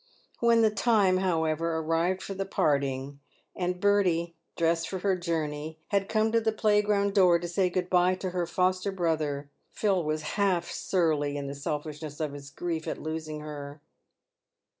When the time, however, arrived for the parting, and Bertie, 62 PAYED WITH GOLD. dressed for her journey, had come to the playground door to say good by to her foster brother, Phil was half surly in the selfishness of his grief at losing her.